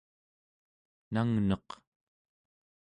nangneq